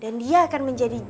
dan dia akan menjadi jeannie